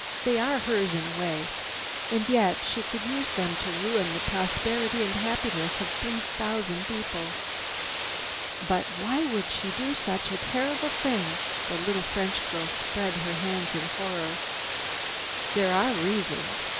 They are hers in a way. And yet she could use them to ruin the prosperity and happiness of three thousand people." "But why would she do such a terrible thing?" The little French girl spread her hands in horror. "There are reasons.